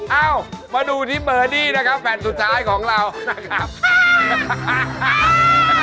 เอ้ามาดูที่เบอร์ดี้นะครับแผ่นสุดท้ายของเรานะครับ